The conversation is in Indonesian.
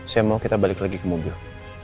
saya mau kita balik lagi ke mobil